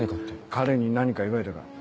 彼に何か言われたか？